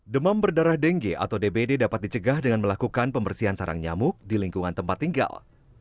demam berdarah dengue atau dbd dapat dicegah dengan melakukan pembersihan sarang nyamuk di lingkungan tempat tinggal